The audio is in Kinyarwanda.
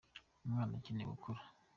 Umwana akeneye gukura.